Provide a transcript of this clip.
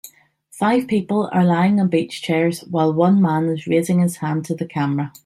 Five people are laying on beach chairs while one man is raising his hand to the camera